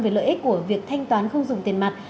về lợi ích của việc thanh toán không dùng tiền mặt